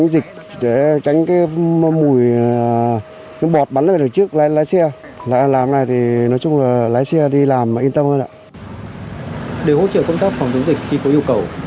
để hỗ trợ công tác phòng chống dịch khi có yêu cầu